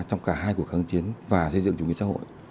trong cả hai cuộc kháng chiến và xây dựng chủ nghĩa xã hội